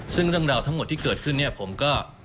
ซึ่งเรื่องราวทั้งหมดที่เกิดขึ้นเนี่ยผมก็